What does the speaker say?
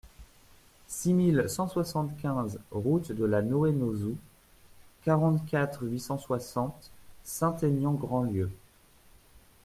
six mille cent soixante-quinze route de la Noë Nozou, quarante-quatre, huit cent soixante, Saint-Aignan-Grandlieu